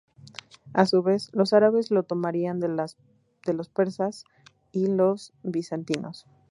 A su vez, los árabes lo tomarían de los persas y los bizantinos.